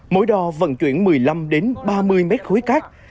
mỗi đò vận chuyển một mươi năm ba mươi m khối cát